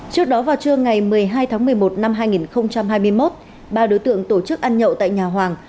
trước đó vào trưa ngày một mươi hai tháng một mươi một năm hai nghìn hai mươi một ba đối tượng tổ chức ăn nhậu tại nhà hoàng